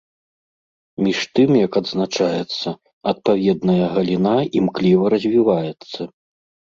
Між тым, як адзначаецца, адпаведная галіна імкліва развіваецца.